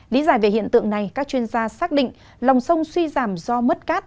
lý giải về hiện tượng này các chuyên gia xác định lòng sông suy giảm do mất cát